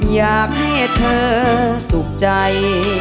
อยากให้เธอสุขใจ